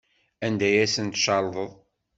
Anda ay asen-tcerḍeḍ?